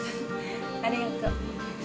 ありがとう。